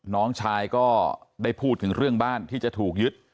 น้องชายก็ได้พูดถึงเรื่องบ้านที่จะถูกยึด